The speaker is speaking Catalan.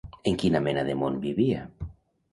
En quina mena de món vivia?